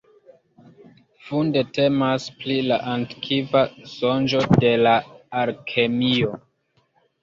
Funde temas pri la antikva sonĝo de la alkemio.